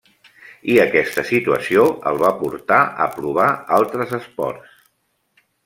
I aquesta situació el va portar a provar altres esports.